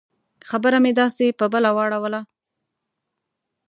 خبره مې داسې په بله واړوله.